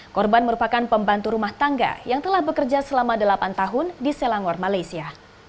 korban merupakan pembantu rumah tangga yang telah bekerja selama delapan tahun di selangor malaysia